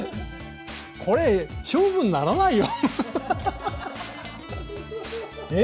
これ勝負にならないよ。